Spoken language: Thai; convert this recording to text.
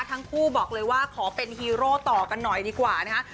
ทั้งคู่บอกเลยว่าขอเป็นฮีโร่ต่อกันหน่อยดีกว่านะคะ